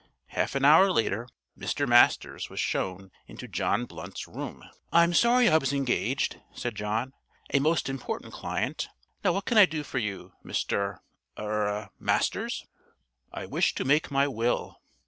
Half an hour later Mr. Masters was shown into John Blunt's room. "I'm sorry I was engaged," said John. "A most important client. Now what can I do for you, Mr. er Masters?" "I wish to make my will."